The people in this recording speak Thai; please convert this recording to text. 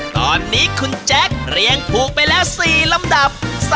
ตอนนี้คุณแจ๊คเรียงถูกไปแล้ว๔ลำดับ